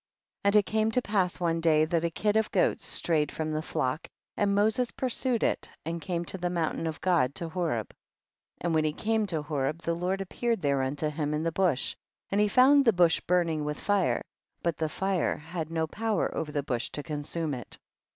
2. And it came to pass one day that a kid of goats strayed from the flock, and Moses pursued it and came to the mountain of God to Horeb. 3. And when he came to Horeb, the Lord appeared there unto him in the bush, and he found the bush burn ing with fire, but the fire had no power over the bush to consume it.